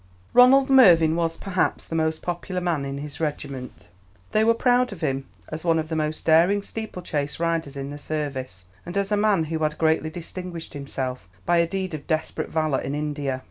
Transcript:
Ronald Mervyn was, perhaps, the most popular man in his regiment. They were proud of him as one of the most daring steeplechase riders in the service, and as a man who had greatly distinguished himself by a deed of desperate valour in India.